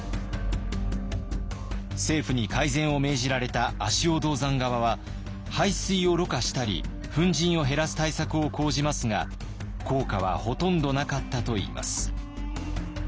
政府に改善を命じられた足尾銅山側は排水をろ過したり粉じんを減らす対策を講じますが効果はほとんどなかったといいます。